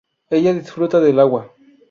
Ella disfruta del agua.